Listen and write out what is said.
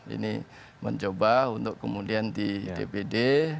ini mencoba untuk kemudian di dpd